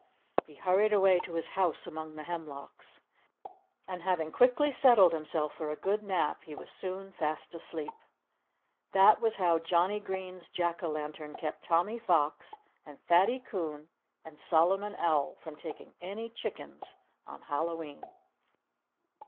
He hurried away to his house among the hemlocks. And having quickly settled himself for a good nap, he was soon fast asleep. That was how Johnnie Green's jack o' lantern kept Tommy Fox and Fatty Coon and Solomon Owl from taking any chickens on Hallowe'en.